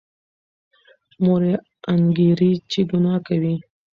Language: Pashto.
مور یې انګېري چې ګناه کوي.